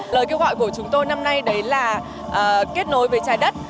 lời kêu gọi của chúng tôi năm nay đấy là kết nối với trái đất